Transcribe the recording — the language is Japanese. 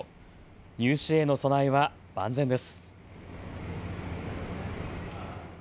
入試への備えは万全です。